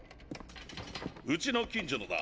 うちの近所のだ。